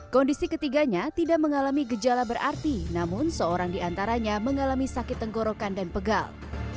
kondisi ketiganya tidak mengalami gejala berarti namun seorang diantaranya mengalami sakit tenggorokan dan pegal